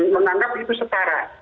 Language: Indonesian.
menanggap itu setara